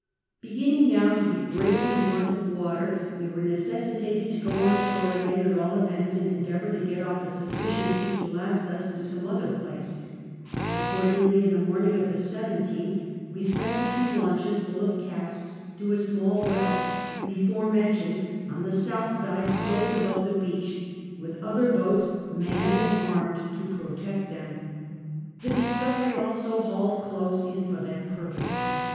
lie^nning now to he greatly in want of water, we were necessitated to go on shore again at all events, and endeavour to get off a sufficiency to hist us to some other place ; accord ingly in the iiiorniiig of the 17th we sent the two launches full of casks to a small well, before mentioned, on the south side close above the beach, with other boats, manned and XI GILBERTS STORY 167 arnicc], to protect tliein. 'i'lie Discovery also hauled close in for that i)iirposL'.